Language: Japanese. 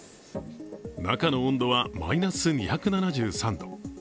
中の温度はマイナス２７３度。